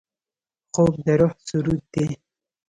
خوب د روح سرود دی